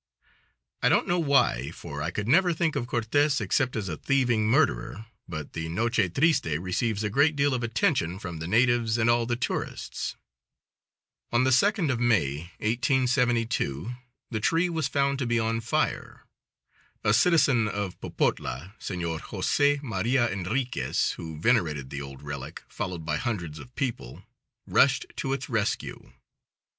I don't know why, for I could never think of Cortez except as a thieving murderer, but the Noche Triste receives a great deal of attention from the natives and all the tourists. On the second of May, 1872, the tree was found to be on fire. A citizen of Popotla, Senor Jose Maria Enriquez, who venerated the old relic, followed by hundreds of people, rushed to its rescue.